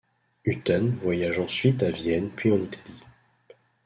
Hutten voyage ensuite à Vienne puis en Italie.